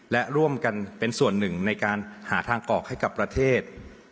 และร่วมกันเป็นส่วนหนึ่งในการหาทางออกให้กับประเทศ